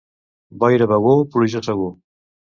Boira a Begur, pluja segur.